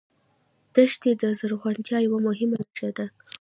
دښتې د زرغونتیا یوه مهمه نښه ده.